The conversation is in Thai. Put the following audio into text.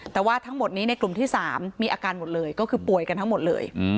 แต่ว่าทั้งหมดนี้ในกลุ่มที่๓มีอาการหมดเลยก็คือป่วยกันทั้งหมดเลย